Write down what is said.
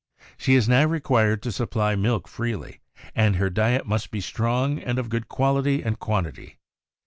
She is now re quired to supply milk freely, and her diet must be strong, and of good quality and quantity.